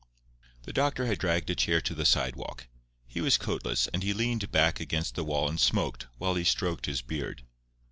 The doctor had dragged a chair to the sidewalk. He was coatless, and he leaned back against the wall and smoked, while he stroked his beard.